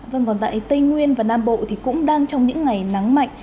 vâng còn tại tây nguyên và nam bộ thì cũng đang trong những ngày nắng mạnh